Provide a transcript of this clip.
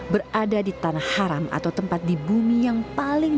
berada di tanah haram atau tempat di bumi yang paling